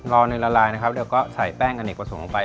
รอเนยละลายนะครับเดี๋ยวก็ใส่แป้งอเนกผสมลงไป